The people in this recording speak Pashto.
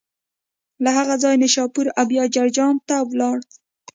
له هغه ځایه نشاپور او بیا جرجان ته ولاړ.